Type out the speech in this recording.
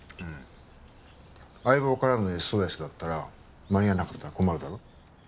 うん相棒からのＳＯＳだったら間に合わなかったら困るだろ？